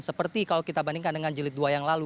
seperti kalau kita bandingkan dengan jilid dua yang lalu